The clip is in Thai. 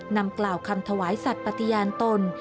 นำกล่าวคำถวายสัตว์ปฏิญาณตน